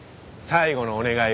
最後のお願い？